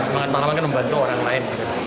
semangat pahlawan akan membantu orang lain